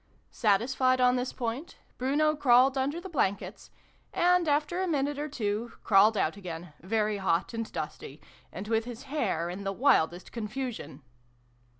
Satisfied on this point, Bruno crawled .under the blankets, and, after a minute or two, crawled out again, very hot and dusty, and with his hair in the wildest confusion.